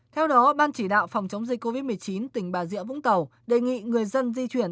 theo đó ban chỉ đạo phòng chống dịch covid một mươi chín tỉnh bà rịa vũng tàu đề nghị người dân di chuyển